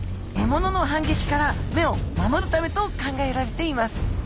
獲物の反撃から目を守るためと考えられています。